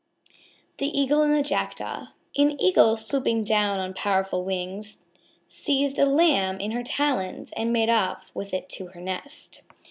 _ THE EAGLE AND THE JACKDAW An Eagle, swooping down on powerful wings, seized a lamb in her talons and made off with it to her nest.